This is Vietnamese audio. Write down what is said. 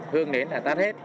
hương nến tắt hết